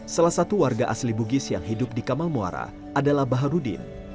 salah satu warga asli bugis yang hidup di kamal muara adalah baharudin